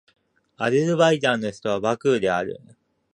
アゼルバイジャンの首都はバクーである